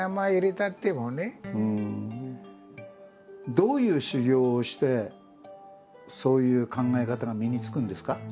どういう修行をしてそういう考え方が身につくんですか？